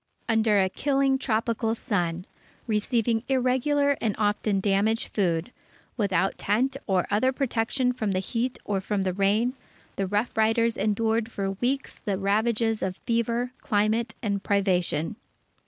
Under a killing tropical sun, receiving irregular and often damaged food, without tent or other protection from the heat or from the rain, the Rough Riders endured for weeks the ravages of fever, climate, and privation.